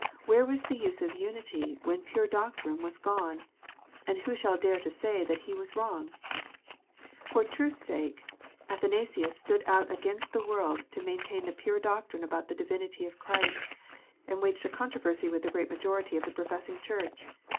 Where was the use of unity when pure doctrine was gone 1 And who shall dare to say he was wrong 1 For the truth s sake, Athanasius stood out against the world to maintain the pure doctrine about the divinity of Christ, and waged a controversy with the great majority of the professing Church.